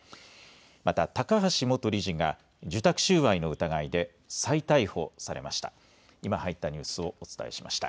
また高橋元理事が受託収賄の疑いで再逮捕されました。